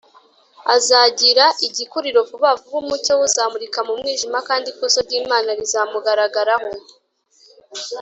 azagira igikuriro vuba vuba, umucyo we uzamurika mu mwijima kandi ikuzo ry’imana rizamugaragaraho